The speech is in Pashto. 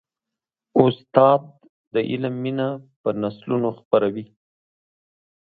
استاد د علم مینه په نسلونو خپروي.